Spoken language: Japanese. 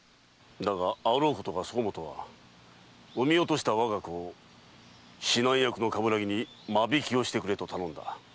だがあろうことかそこ許は産み落とした我が子を指南役の鏑木に「間引きをしてくれ」と頼んだ。